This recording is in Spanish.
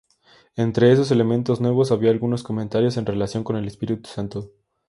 Entre esos elementos nuevos había algunos comentarios en relación con el Espíritu Santo.